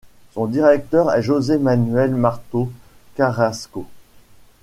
Son directeur est José Manuel Martos Carrasco.